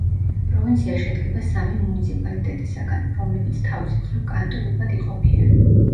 პროვინცია შედგება სამი მუნიციპალიტეტისაგან, რომლებიც თავის მხრივ კანტონებად იყოფიან.